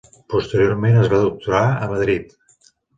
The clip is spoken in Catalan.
Posteriorment es va doctorar a Madrid.